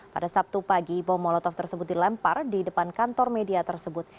pada sabtu pagi bom molotov tersebut dilempar di depan kantor media tersebut